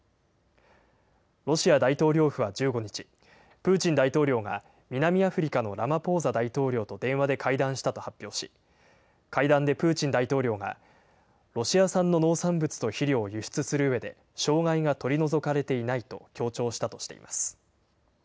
ロシア大統領府は１５日、プーチン大統領が南アフリカのラマポーザ大統領と電話で会談したと発表し、会談でプーチン大統領がロシア産の農産物と肥料を輸出するうえで、障害が取り除かれていないと強調したとしています。